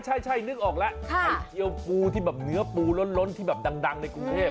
พี่อ๋อใช่นึกออกละไข่เจียวปูเนื้อปูโล้นที่แบบดังในกรุงเทพ